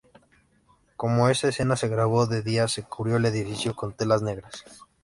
Como esa escena se grabó de día, se cubrió el edificio con telas negras.